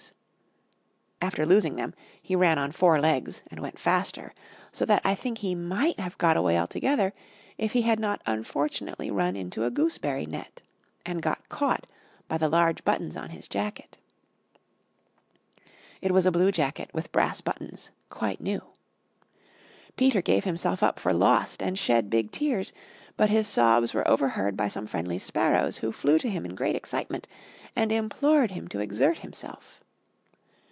After losing them, he ran on four legs and went faster So that I think he might have got away altogether if he had not unfortunately run into a gooseberry net And got caught by the large buttons on his jacket. It was a blue jacket with brass buttons, quite new. Peter gave himself up for lost and shed big tears; But his sobs were overheard by some friendly sparrows Who flew to him in great excitement and implored him to exert himself.